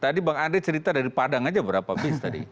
tadi bang andre cerita dari padang aja berapa bis tadi